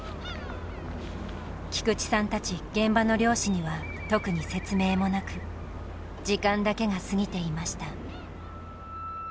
菊地さんたち現場の漁師には特に説明もなく時間だけが過ぎていました。